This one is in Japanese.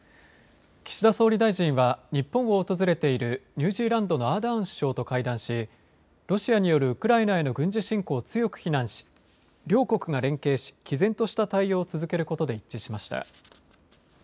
岸田総理大臣は日本を訪れているニュージーランドのアーダーン首相と会談しロシアによるウクライナへの軍事侵攻を強く非難し両国が連携し、きぜんとした態度を続けることで一致しました。